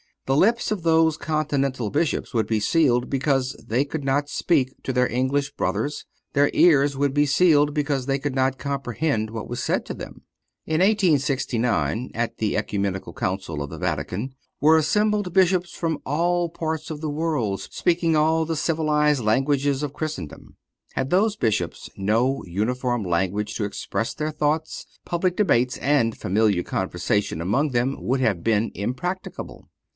The lips of those Continental Bishops would be sealed because they could not speak to their English brothers; their ears also would be sealed because they could not comprehend what was said to them. In 1869, at the Ecumenical Council of the Vatican, were assembled Bishops from all parts of the world speaking all the civilized languages of Christendom. Had those Bishops no uniform language to express their thoughts, public debates and familiar conversation among them would have been impracticable.